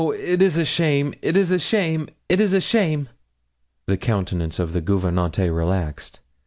it is a shame it is a shame it is a shame!' The countenance of the gouvernante relaxed.